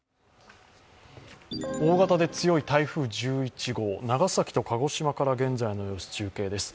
大型で強い台風１１号長崎と鹿児島から現在の様子、中継です。